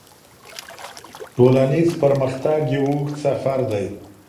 ټولنیز پرمختګ یو اوږد سفر دی.